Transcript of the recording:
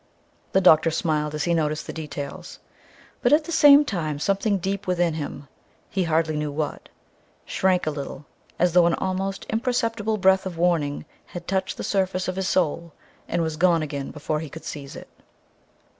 The doctor smiled as he noticed the details; but at the same time something deep within him he hardly knew what shrank a little, as though an almost imperceptible breath of warning had touched the surface of his soul and was gone again before he could seize it.